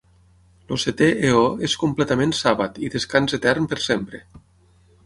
El setè eó és completament Sàbat i descans etern per sempre.